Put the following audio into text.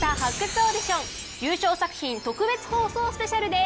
オーディション優勝作品特別放送スペシャルです！